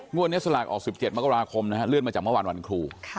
วันนี้สลากออก๑๗มกราคมนะฮะเลื่อนมาจากเมื่อวานวันครู